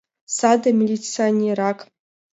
Саде милиционерак.